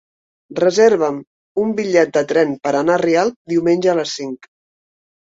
Reserva'm un bitllet de tren per anar a Rialp diumenge a les cinc.